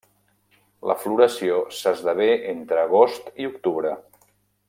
La floració s'esdevé entre agost i octubre.